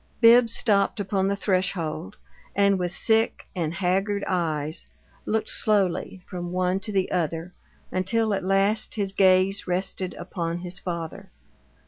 Bibbs stopped upon the threshold, and with sick and haggard eyes looked slowly from one to the other until at last his gaze rested upon his father.